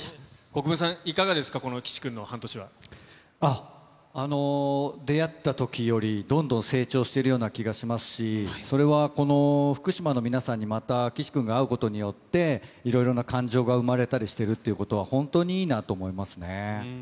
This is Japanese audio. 国分さん、いかがですか、出会ったときより、どんどん成長しているような気がしますし、それはこの福島の皆さんにまた岸君が会うことによって、いろいろな感情が生まれたりしてるっていうことは、本当にいいなと思いますね。